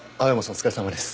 お疲れさまです。